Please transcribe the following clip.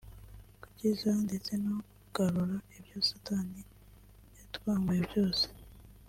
gukiza ndetse no kugarura ibyo satani yatwambuye byose